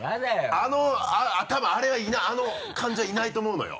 あの多分あの感じはいないと思うのよ。